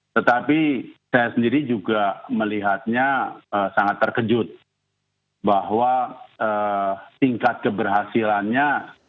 tetapi saya sendiri juga melihatnya sangat terkejut bahwa tingkat keberhasilannya